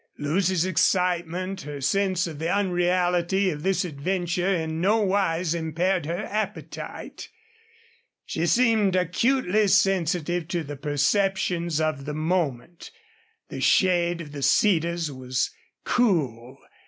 Lucy's excitement, her sense of the unreality of this adventure, in no wise impaired her appetite. She seemed acutely sensitive to the perceptions of the moment. The shade of the cedars was cool.